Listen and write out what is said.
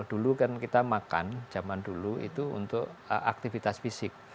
dulu kan kita makan zaman dulu itu untuk aktivitas fisik